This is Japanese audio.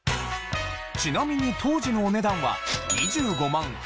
ちなみに当時のお値段は２５万８０００円。